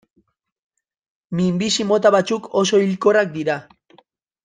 Minbizi mota batzuk oso hilkorrak dira.